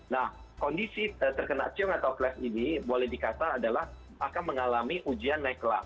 nah kondisi terkena ciong atau kles ini boleh dikata adalah akan mengalami ujian nekla